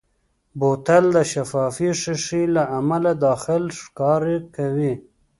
بوتل د شفافې ښیښې له امله داخل ښکاره کوي.